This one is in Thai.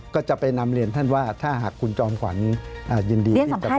ก็จะไปนำเรียนท่านว่าถ้าหากคุณจอมขวัญยินดีที่จะ